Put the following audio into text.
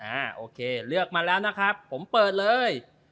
โอเคเลือกมาแล้วนะครับผมเปิดเลย